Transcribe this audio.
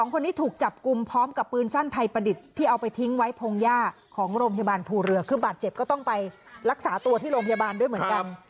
คนนี้ถูกจับกลุ่มพร้อมกับปืนสั้นไทยประดิษฐ์ที่เอาไปทิ้งไว้พงหญ้าของโรงพยาบาลภูเรือคือบาดเจ็บก็ต้องไปรักษาตัวที่โรงพยาบาลด้วยเหมือนกัน